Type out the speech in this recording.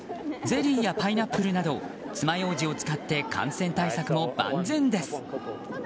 ゼリーやパイナップルなどつまようじを使って感染対策も万全です。